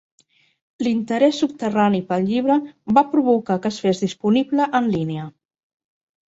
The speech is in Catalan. L'interès subterrani pel llibre va provocar que es fes disponible en línia.